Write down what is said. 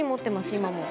今も。